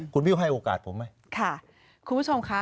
คุณวิวให้โอกาสผมไหมค่ะคุณผู้ชมค่ะ